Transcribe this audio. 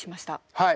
はい。